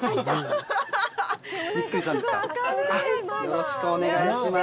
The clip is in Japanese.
よろしくお願いします。